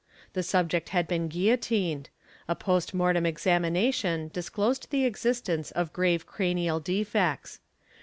The subject had been guillotined; a post mortem examination disclosed he existence of grave cranial defects.